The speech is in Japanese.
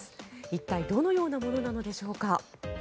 一体どのようなものなのでしょうか。